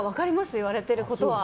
言われていることは。